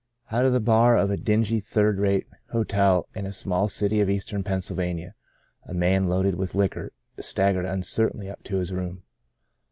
OUT of the bar of a dingy, third rate hotel in a small city of eastern Penn sylvania, a man, loaded with liquor, staggered uncertainly up to his room.